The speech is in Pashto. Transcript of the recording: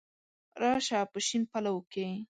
را شه په شین پلو کي